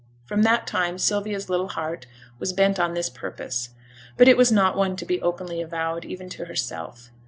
From that time Sylvia's little heart was bent on this purpose. But it was not one to be openly avowed even to herself.